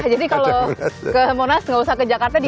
jadi kalau ke monas gak usah ke jakarta dimana